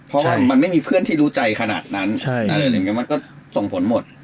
เพราะว่ามันไม่มีเพื่อนที่รู้ใจขนาดนั้นอะไรอย่างนี้มันก็ส่งผลหมด